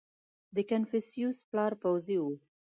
• د کنفوسیوس پلار پوځي و.